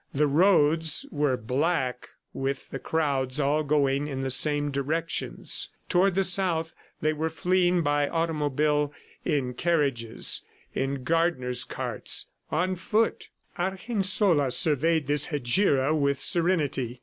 The roads were black with the crowds all going in the same directions. Toward the South they were fleeing by automobile, in carriages, in gardeners' carts, on foot. Argensola surveyed this hegira with serenity.